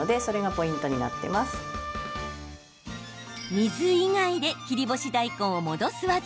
水以外で切り干し大根を戻す技